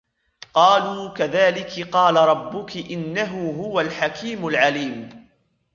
قَالُوا كَذَلِكِ قَالَ رَبُّكِ إِنَّهُ هُوَ الْحَكِيمُ الْعَلِيمُ